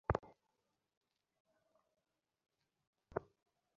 এমনকি মাঝে মধ্যে তার নিজেকেও নিজের কাছে অচেনা মনে হয়।